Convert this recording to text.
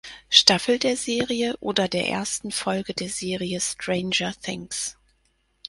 Staffel der Serie oder der ersten Folge der Serie Stranger Things.